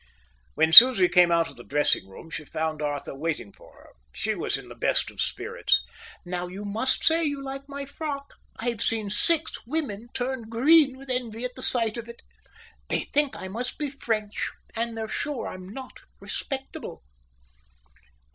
When Susie came out of the dressing room, she found Arthur waiting for her. She was in the best of spirits. "Now you must say you like my frock. I've seen six women turn green with envy at the sight of it. They think I must be French, and they're sure I'm not respectable."